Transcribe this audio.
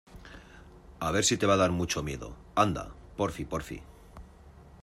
a ver si te va a dar mucho miedo. anda, porfi , porfi .